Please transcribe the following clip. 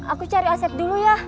aku cari aset dulu ya